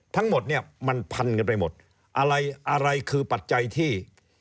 ทั้งหมดเนี่ยมันพันกันไปหมดอะไรอะไรคือปัจจัยที่